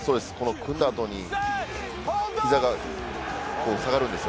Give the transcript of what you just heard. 組んだ後に膝が下がるんです。